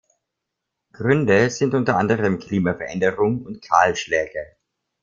Gründe sind unter anderem Klimaveränderung und Kahlschläge.